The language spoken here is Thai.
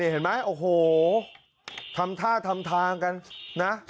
เห็นไหมโอ้โหทำท่าทำทางกันนะ